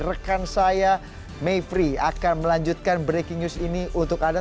rekan saya mevri akan melanjutkan breaking news ini untuk anda